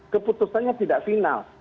keputusannya tidak final